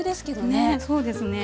ねえそうですね。